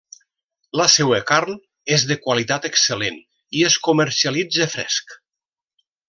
La seua carn és de qualitat excel·lent i es comercialitza fresc.